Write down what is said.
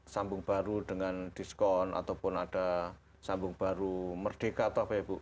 sambung baru dengan diskon ataupun ada sambung baru merdeka atau apa ya bu